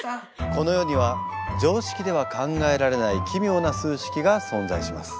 この世には常識では考えられない奇妙な数式が存在します。